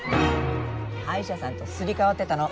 歯医者さんとすり替わってたの。